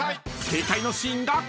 ［正解のシーンがこちら］